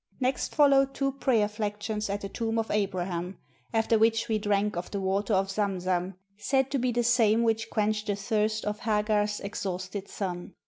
Next followed two prayer flections at the tomb of Abraham, after which we drank of the water of Zamzam, said to be the same which quenched the thirst of Hagar's exhausted son.